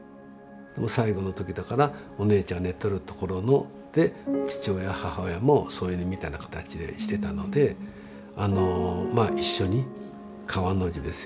最期の時だからお姉ちゃん寝とる所で父親母親も添い寝みたいな形でしてたのであのまあ一緒に川の字ですよね。